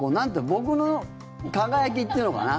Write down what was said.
僕の輝きというのかな。